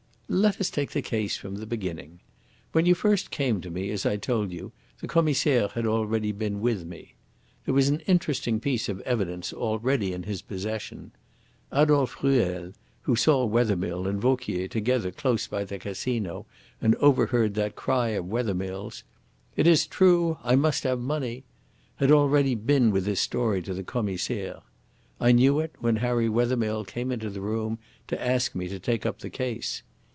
"Let us take the case from the beginning. When you first came to me, as I told you, the Commissaire had already been with me. There was an interesting piece of evidence already in his possession. Adolphe Ruel who saw Wethermill and Vauquier together close by the Casino and overheard that cry of Wethermill's, 'It is true: I must have money!' had already been with his story to the Commissaire. I knew it when Harry Wethermill came into the room to ask me to take up the case.